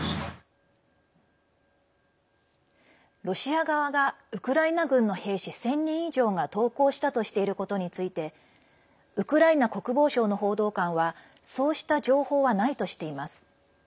ロシア側がウクライナ軍の兵士１０００人以上が投降したとしていることについてウクライナ国防省の報道官はそうした情報はないとしています。